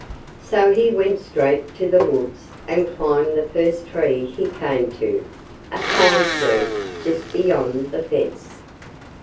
So he went straight to the woods and climbed the first tree he came to a pine tree just beyond the fence.